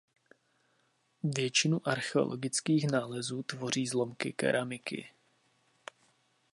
Většinu archeologických nálezů tvoří zlomky keramiky.